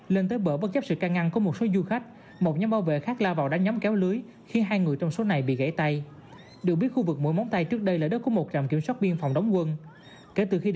lên tới bờ bất chấp sự căng ngăn có một số du khách một nhóm bảo vệ khác la vào đánh nhóm kéo lưới